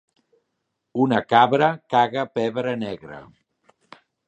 Una cabra caga pebre negre.